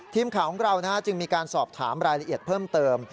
ทีมข่าวของเราจึงมีการสอบถามรายละเอียดเพิ่มเติม